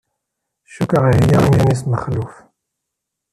Cukkeɣ iheyya iman-is Mexluf.